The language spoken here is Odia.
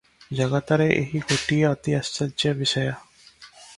ଜଗତରେ ଏହି ଗୋଟିଏ ଅତି ଆଶ୍ଚର୍ଯ୍ୟ ବିଷୟ ।